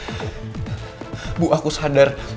ibu aku sadar